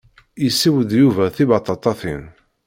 Yesseww-d Yuba tibaṭaṭatin.